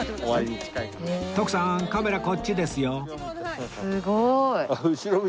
徳さんカメラこっちですよ